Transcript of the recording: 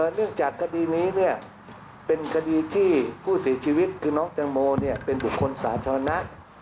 เนื่องจากคดีนี้เป็นคดีที่ผู้เสียชีวิตคือน้องแตงโมเป็นบุคคลสาธารณะ